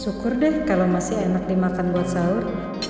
syukur deh kalau masih enak dimakan buat sahur